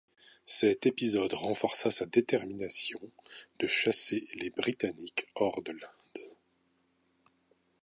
Cet épisode renforça sa détermination de chasser les Britanniques hors de l'Inde.